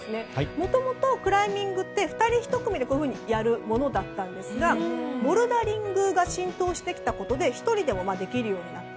もともと、クライミングって２人１組でやるものだったんですがボルダリングが浸透してきたことで１人でもできるようになった。